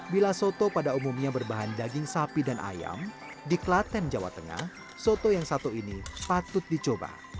bila soto pada umumnya berbahan daging sapi dan ayam di klaten jawa tengah soto yang satu ini patut dicoba